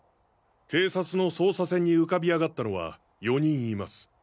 警察の捜査線に浮かびあがったのは４人います。